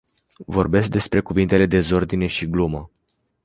Vorbesc despre cuvintele "dezordine” și "glumă”.